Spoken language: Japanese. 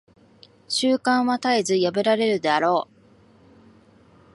習慣は絶えず破られるであろう。